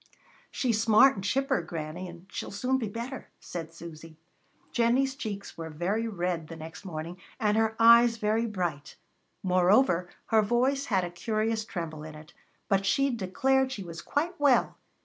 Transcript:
"She's smart and chipper, Granny, and she'll soon be better," said Susy. Jennie's cheeks were very red the next morning, and her eyes very bright; moreover, her voice had a curious tremble in it, but she declared she was quite well.